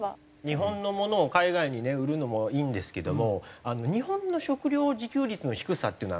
日本のものを海外に売るのもいいんですけども日本の食料自給率の低さっていうのは。